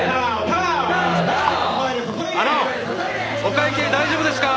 あのお会計大丈夫ですか？